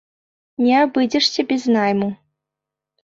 Не абыдзешся без найму.